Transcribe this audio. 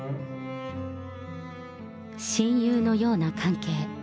親友のような関係。